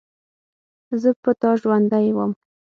زه په تا ژوندۍ وم.